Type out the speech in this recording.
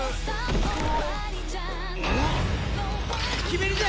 決めるぜ！